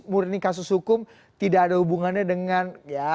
murni kasus hukum tidak ada hubungannya dengan